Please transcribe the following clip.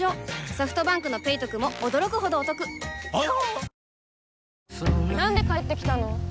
ソフトバンクの「ペイトク」も驚くほどおトクわぁ！